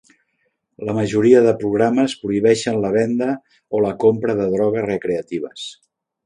La majoria de programes prohibeixen la venda o la compra de drogues recreatives.